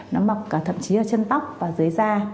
nó mọc cả thậm chí ở chân tóc và dưới da